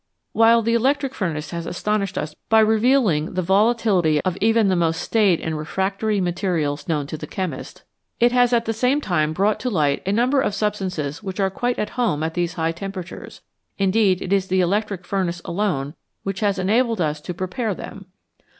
While the electric furnace has astonished us by reveal ing the volatility of even the most staid and refractory 199 HIGH TEMPERATURES materials known to the chemist, it has at the same time brought to light a number of substances which are quite at home at these high temperatures ; indeed it is the electric furnace alone which has enabled us to prepare them.